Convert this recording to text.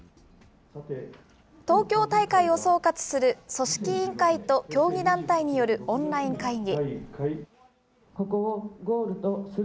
東京大会を総括する組織委員会と競技団体によるオンライン会議。